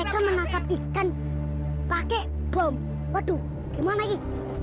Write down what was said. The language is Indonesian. uko menangkap ikan pakai bom waduh teman lagi